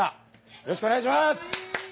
よろしくお願いします！